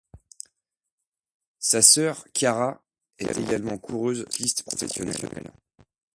Sa sœur Chiara est également coureuse cycliste professionnelle.